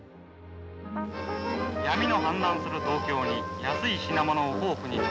「闇の氾濫する東京に安い品物を豊富に。